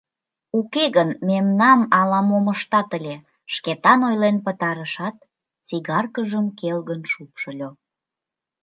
Уке гын мемнам ала-мом ыштат ыле, — Шкетан ойлен пытарышат, сигаркыжым келгын шупшыльо.